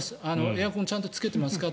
エアコンちゃんとつけてますか？